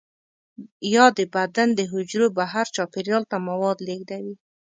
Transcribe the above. یا د بدن د حجرو بهر چاپیریال ته مواد لیږدوي.